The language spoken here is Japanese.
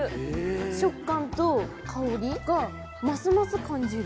食感と香りがますます感じる。